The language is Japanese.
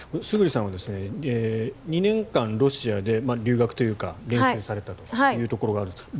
村主さんは２年間ロシアで留学というか練習されたというところがあると。